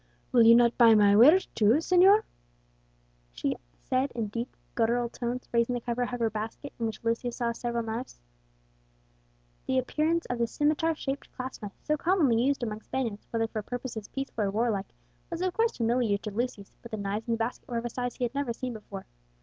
"Will you not buy my wares too, señor?" she said in deep guttural tones, raising the cover of her basket, in which Lucius saw several knives. The appearance of the scimitar shaped clasp knife, so commonly used among Spaniards whether for purposes peaceful or warlike, was of course familiar to Lucius; but the knives in the basket were of a size which he had never seen before.